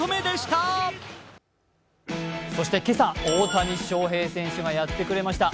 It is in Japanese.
今朝、大谷翔平選手がやってくれました。